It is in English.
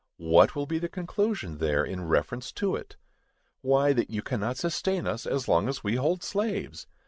What will be the conclusion, there, in reference to it? Why, that you cannot sustain us as long as we hold slaves!